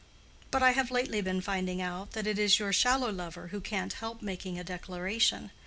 But I have lately been finding out that it is your shallow lover who can't help making a declaration.